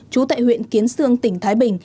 trú tại huyện kiến sương tỉnh thái bình